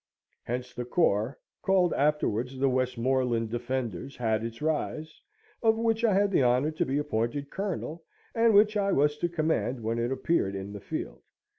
Hence the corps, called afterwards the Westmoreland Defenders, had its rise, of which I had the honour to be appointed Colonel, and which I was to command when it appeared in the field.